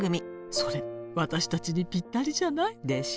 それ私たちにピッタリじゃない？でしょ？